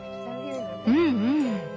うんうん。